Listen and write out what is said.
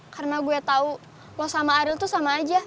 karena gue tau lo sama aril tuh sama aja